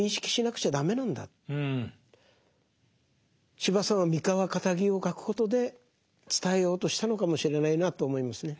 司馬さんは三河かたぎを書くことで伝えようとしたのかもしれないなと思いますね。